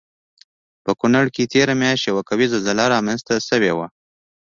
په کنړ کې تېره میاشت یوه قوي زلزله رامنځته شوی وه